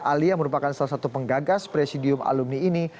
ali yang merupakan salah satu penggagas presidium alumni ini